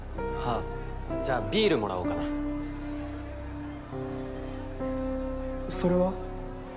あじゃあビールもらおうかな。それは？